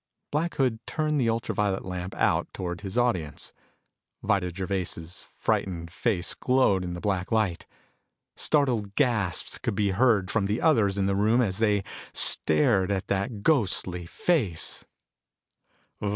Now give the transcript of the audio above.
Black Hood turned the ultra violet lamp out toward his audience. Vida Gervais' frightened face glowed in the black light. Startled gasps could be heard from the others in the room as they stared at that ghostly face.